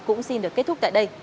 cũng xin được kết thúc tại đây